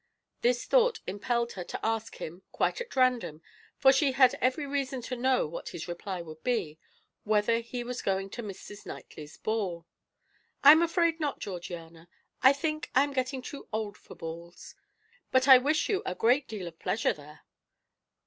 This thought impelled her to ask him, quite at random, for she had every reason to know what his reply would be, whether he was going to Mrs. Knightley's ball. "I am afraid not, Georgiana. I think I am getting too old for balls; but I wish you a great deal of pleasure there."